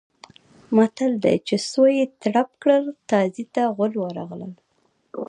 متل دی: چې سویې ترپ کړل تازي ته غول ورغلل.